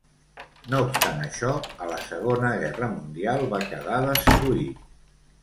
No obstant això, a la Segona Guerra Mundial va quedar destruït.